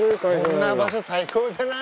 こんな場所最高じゃない？